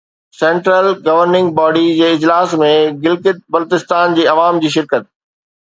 central governing body جي اجلاس ۾ گلگت بلتستان جي عوام جي شرڪت